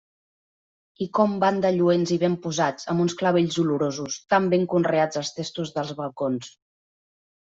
I com van de lluents i ben posats amb uns clavells olorosos, tan ben conreats als testos dels balcons.